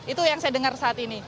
itu yang saya dengar saat ini